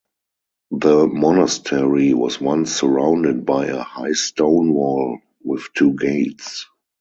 The monastery was once surrounded by a high stone wall with two gates.